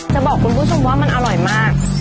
จะบอกคุณผู้ชมว่ามันอร่อยมาก